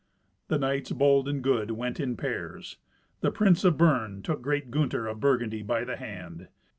The knights bold and good went in pairs. The prince of Bern took great Gunther of Burgundy by the hand.